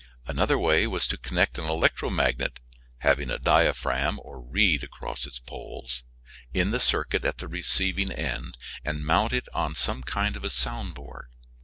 Another way was to connect an electromagnet (having a diaphragm or reed across its poles) in the circuit at the receiving end and mount it on some kind of a soundboard.